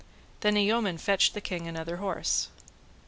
Then a yeoman fetched the king another horse.